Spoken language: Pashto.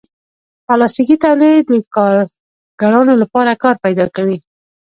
پلاستيکي تولید د کارګرانو لپاره کار پیدا کوي.